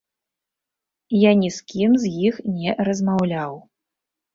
Я ні з кім з іх не размаўляў.